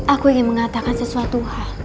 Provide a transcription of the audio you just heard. aku ingin mengatakan sesuatu